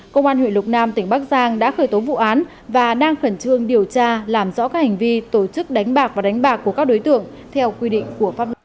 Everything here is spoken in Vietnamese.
công an huyện lục nam tỉnh bắc giang đã khởi tố vụ án và đang khẩn trương điều tra làm rõ các hành vi tổ chức đánh bạc và đánh bạc của các đối tượng theo quy định của pháp luật